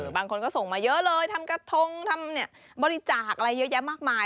บางคนก็ส่งมาเยอะเลยทำกระทงทำบริจาคอะไรเยอะแยะมากมาย